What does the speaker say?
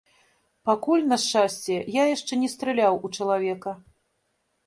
Пакуль, на шчасце, я яшчэ не страляў у чалавека.